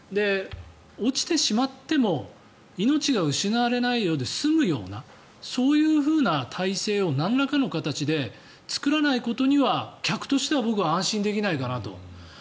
落ちてしまっても命が失われないで済むようなそういう体制をなんらかの形で作らないことには客としては僕は安心できないかなと。